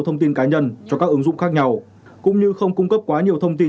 thông tin cá nhân cho các ứng dụng khác nhau cũng như không cung cấp quá nhiều thông tin